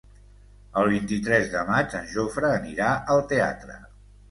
El vint-i-tres de maig en Jofre anirà al teatre.